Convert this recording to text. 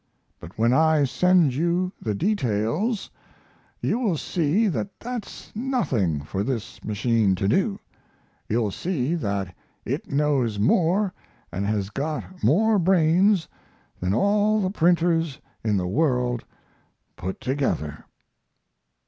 But when I send you the details you will see that that's nothing for this machine to do; you'll see that it knows more and has got more brains than all the printers in the world put together.